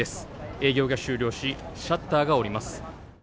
営業が終了し、シャッターがおります。